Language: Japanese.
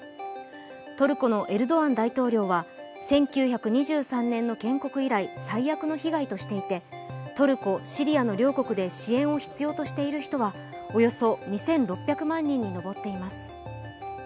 トルコのエルドアン大統領は１９２３年の建国以来最悪の被害としていてトルコ・シリアの両国で支援を必要としている人はおよそ２６００万人に上っています。